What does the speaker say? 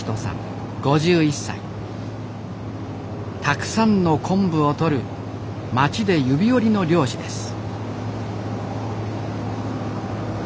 たくさんの昆布をとる町で指折りの漁師です。